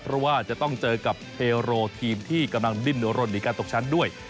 เพราะว่าจะต้องเจอกับเทโรทีมที่กำลังดิ้นรนหนีการตกชั้นด้วย